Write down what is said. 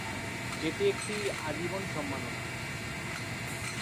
এটি একটি আজীবন সম্মাননা।